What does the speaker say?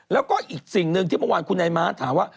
แล้วก็อีกสิ่งหนึ่งที่เมื่อวานคุณนายม้าถามว่า